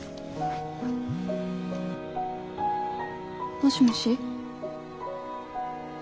もしもし。